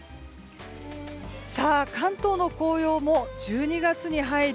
関東の紅葉も１２月に入り